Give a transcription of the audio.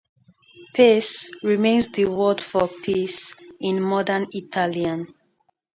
"Pace" remains the word for "peace" in Modern Italian.